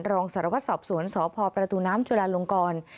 รองสารวัตรสอบสวนสพประตูน้ำจุลาลงกร